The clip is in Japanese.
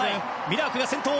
ミラーク、先頭。